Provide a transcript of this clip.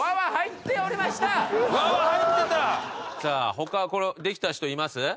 さあ他これできた人います？